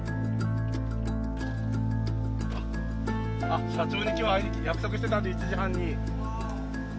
あっ社長に今日は会いに約束してたんで１時半に。